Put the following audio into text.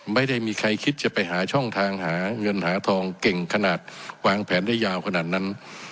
ไม่ได้มีใครคิดจะไปหาช่องทางหาเงินหาทองเก่งขนาดวางแผนได้ยาวขนาดนั้น